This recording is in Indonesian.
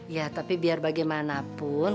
ya tapi biar bagaimanapun